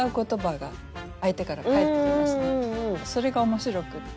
それが面白くって。